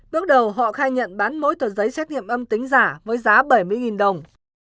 bước đầu họ khai nhận bán mỗi tờ giấy xét nghiệm âm tính giả với giá bảy mươi đồng